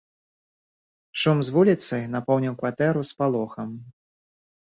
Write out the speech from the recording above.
Шум з вуліцы напоўніў кватэру спалохам.